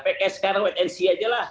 pks sekarang wait and see aja lah